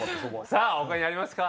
さぁ他にありますか？